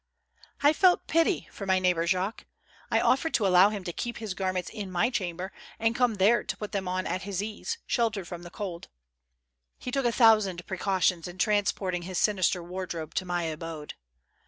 T felt pity for my neighbor Jacques; I offered to allow him to keep his garments in my chamber and come there to put them on at his ease, sheltered from the cold. He took a thousand precautions in transport ing his sinister wardrobe to my abode.